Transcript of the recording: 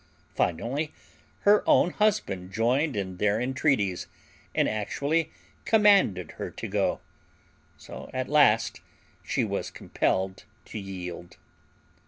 Finally her own husband joined in their entreaties and actually commanded her to go; so at last she was compelled to yield.